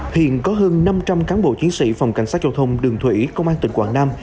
hiện có hơn năm trăm linh cán bộ chiến sĩ phòng cảnh sát giao thông đường thủy công an tỉnh quảng nam